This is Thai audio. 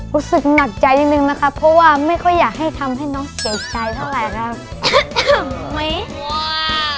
รู้สึกหนักใจนิดนึงนะครับเพราะว่าไม่ค่อยอยากให้ทำให้น้องเสียใจเท่าไหร่แล้วไหมว่า